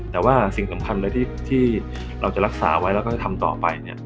แต่ว่าสิ่งสำคัญเลยที่เราจะรักษาไว้แล้วก็จะทำต่อไป